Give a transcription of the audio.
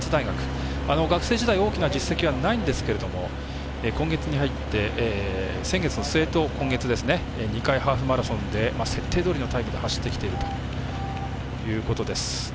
学生時代、大きな実績はないんですけれども先月と今月２回ハーフマラソンで設定どおりのタイムで走ってきているということです。